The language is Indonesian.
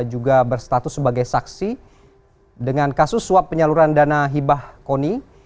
juga berstatus sebagai saksi dengan kasus suap penyaluran dana hibah koni